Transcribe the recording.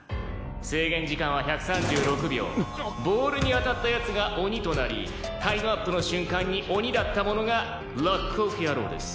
「制限時間は１３６秒」「ボールに当たった奴がオニとなりタイムアップの瞬間にオニだった者がロック・オフ野郎です」